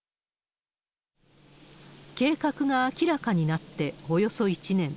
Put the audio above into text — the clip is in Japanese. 計画が明らかになっておよそ１年。